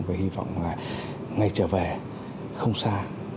và hy vọng là ngày trở về không xa